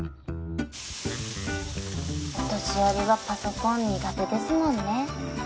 お年寄りはパソコン苦手ですもんね。